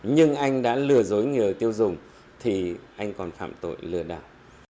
nhưng anh đã lừa dối người tiêu dùng thì anh còn phạm tội lừa đảo